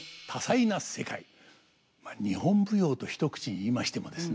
日本舞踊と一口に言いましてもですね